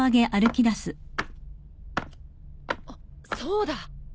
あっそうだ。